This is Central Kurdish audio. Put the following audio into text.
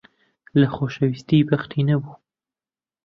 لە خۆشەویستی بەختی نەبوو.